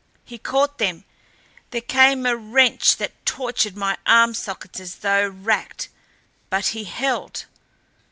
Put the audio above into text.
He caught them. There came a wrench that tortured my arm sockets as though racked. But he held!